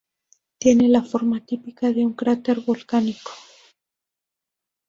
Tiene la forma típica de un cráter volcánico.